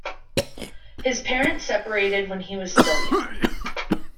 His parents separated when he was still young.